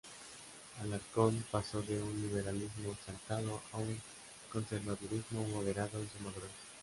Alarcón pasó de "un liberalismo exaltado a un conservadurismo moderado en su madurez".